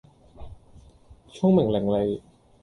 聰明伶俐